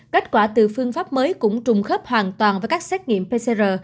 kết quả từ phương pháp mới cũng trùng khớp hoàn toàn với các xét nghiệm pcr